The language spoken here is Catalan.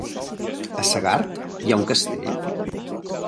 A Segart hi ha un castell?